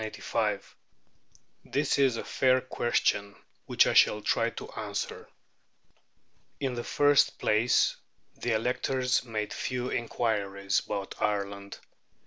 This is a fair question, which I shall try to answer. In the first place, the electors made few inquiries about Ireland.